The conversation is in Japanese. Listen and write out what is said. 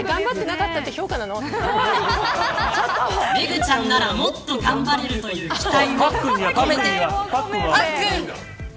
めぐちゃんならもっと頑張れるという期待も込めて。